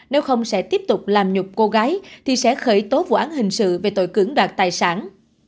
nếu không sẽ tiếp tục làm nhục cô gái thì sẽ khởi tố vụ án hình sự về tội cưỡng đoạt tài sản